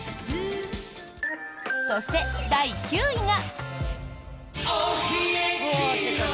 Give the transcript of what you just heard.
そして、第９位が。